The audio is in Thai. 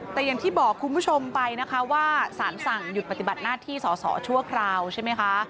แต่อย่างที่บอกคุณผู้ชมไปนะคะว่าสารสั่งหยุดปฏิบัติหน้าที่สอสอชั่วคราวใช่ไหมคะ